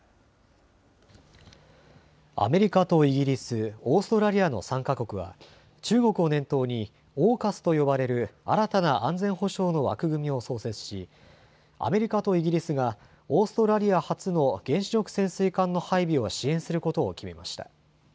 アメリカとイギリス、オーストラリアの３か国は、中国を念頭にＡＵＫＵＳと呼ばれる新たな安全保障の枠組みを創設し、アメリカとイギリスがオーストラリア初の原子力潜水艦の配備を支援することを決めました。